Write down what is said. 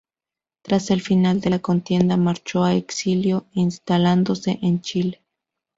Tras el final de la contienda marchó al exilio, instalándose en Chile.